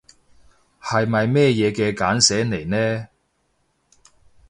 係咪咩嘢嘅簡寫嚟呢？